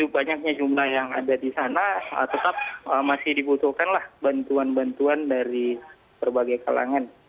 banyaknya jumlah yang ada di sana tetap masih dibutuhkanlah bantuan bantuan dari berbagai kalangan